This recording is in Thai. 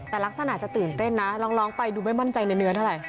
แต่ลักษณะจะตื่นเต้นนะร้องไปดูไม่มั่นใจในเนื้อเท่าไหร